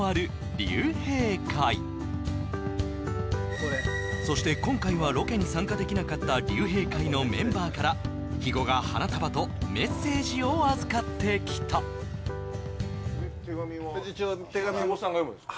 そんなそして今回はロケに参加できなかった竜兵会のメンバーから肥後が花束とメッセージを預かってきた手紙肥後さんが読むんですか？